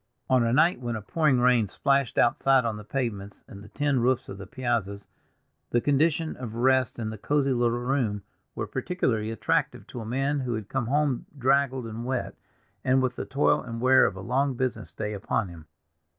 On a night when a pouring rain splashed outside on the pavements and the tin roofs of the piazzas, the conditions of rest in the cozy little room were peculiarly attractive to a man who had come home draggled and wet, and with the toil and wear of a long business day upon him.